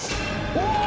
お！